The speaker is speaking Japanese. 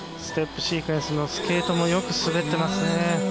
ステップシークエンスのスケートもよく滑っていますね。